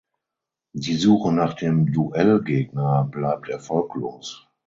Die Suche nach dem „Duell“gegner bleibt erfolglos.